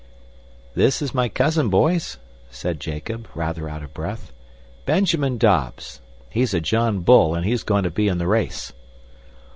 "This is my cousin, boys," said Jacob, rather out of breath. "Benjamin Dobbs. He's a John Bull and he's going to be in the race."